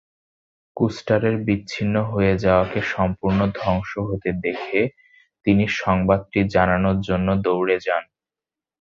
কুস্টারের বিচ্ছিন্ন হয়ে যাওয়াকে সম্পূর্ণ ধ্বংস হতে দেখে, তিনি সংবাদটি জানানোর জন্য দৌড়ে যান।